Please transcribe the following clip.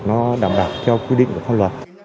nó đảm bảo cho quy định của pháp luật